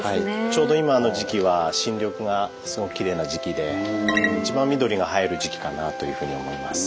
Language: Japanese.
ちょうど今の時期は新緑がすごくきれいな時期で一番緑が映える時期かなというふうに思います。